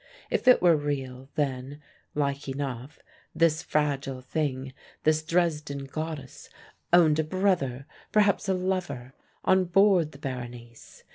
If it were real, then (like enough) this fragile thing, this Dresden goddess, owned a brother, perhaps a lover, on board the Berenice.